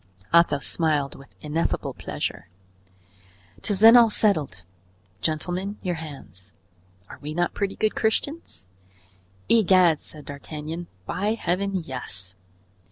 Athos smiled with ineffable pleasure. "'Tis then all settled. Gentlemen, your hands; are we not pretty good Christians?" "Egad!" said D'Artagnan, "by Heaven! yes."